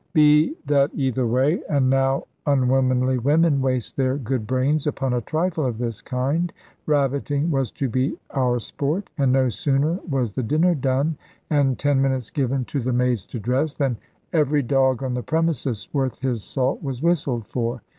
Be that either way and now unwomanly women waste their good brains upon a trifle of this kind rabbiting was to be our sport; and no sooner was the dinner done, and ten minutes given to the maids to dress, than every dog on the premises worth his salt was whistled for.